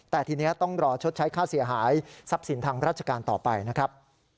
แต่ทีนี้ต้องรอชดใช้ค่าเสียหายทรัพย์สินทางราชการต่อไปนะครับ